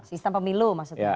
sistem pemilu maksudnya